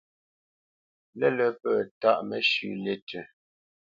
Lə̂lə̄ pə̂ tâʼ məshʉ̂ lí tʉ̂.